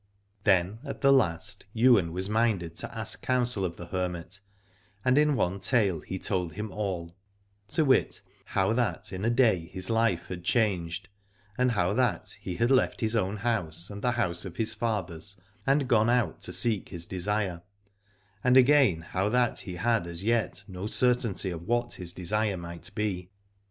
Then at the last Ywain was minded to ask counsel of the hermit, and in one tale he told him all, to wit, how that in a day his life had changed, and how that he had left his own house and the house of his fathers, and gone out to seek his desire, and again how that he had as yet no certainty of what his desire might be.